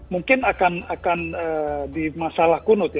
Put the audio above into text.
mungkin akan di masalah kunut ya